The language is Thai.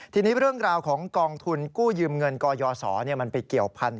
ทีนี้เรื่องราวของกองทุนกู้ยืมเงินกยศมันไปเกี่ยวพันธ